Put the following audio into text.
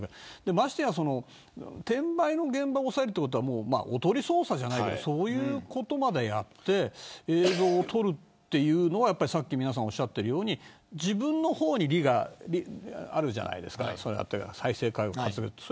まして転売の現場を押さえるということはおとり捜査じゃないけどそういうことまでやって映像を撮るのは皆さんがおっしゃったように自分の方に利があるじゃないですか再生回数を稼ぐとか。